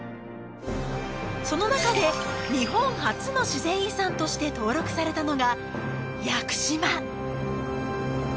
その中で日本初の自然遺産として登録されたのが「屋久島」